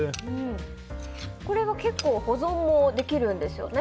これは結構保存もできるんですよね？